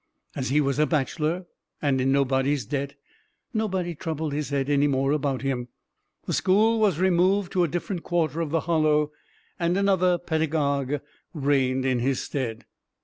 As he was a bachelor, and in nobody's debt, nobody troubled his head any more about him; the school was removed to a different quarter of the Hollow, and another pedagogue reigned in his stead.